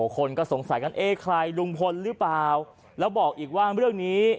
คนก็สงสัยกันเอ๊ะใครลุงพลหรือเปล่าแล้วบอกอีกว่าเรื่องนี้